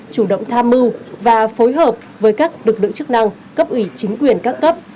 chủ động tham mưu và phối hợp với các lực lượng chức năng cấp ủy chính quyền các cấp